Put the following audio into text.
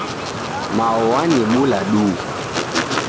Mao wanibula duhu.